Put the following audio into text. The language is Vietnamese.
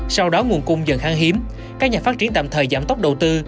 sau đó nguồn cung dần khang hiếm các nhà phát triển tạm thời giảm tốc đầu tư